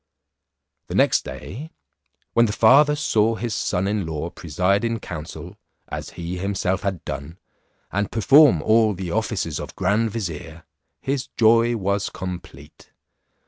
The next day, when the father saw his son in law preside in council, as he himself had done, and perform all the offices of grand vizier, his joy was complete.